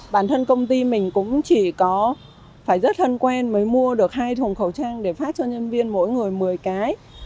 bản thân công ty mình cũng chỉ có phải rất thân quen mới mua được hai thùng khẩu trang để phát cho nhân viên mỗi người một mươi cái